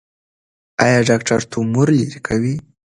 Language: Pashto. ایا ډاکټر تومور لرې کوي؟